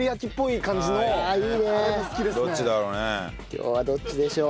今日はどっちでしょう。